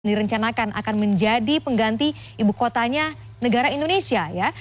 direncanakan akan menjadi pengganti ibu kotanya negara indonesia ya